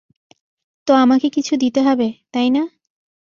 তো আমাকে কিছু দিতে হবে, তাই না?